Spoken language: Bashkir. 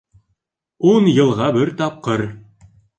Ун йылға бер тапҡыр!